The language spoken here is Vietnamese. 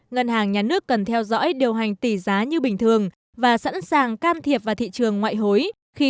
ngân hàng nhà nước cần theo dõi điều hành tỷ giá như bình thường và sẵn sàng can thiệp vào thị trường ngoại hối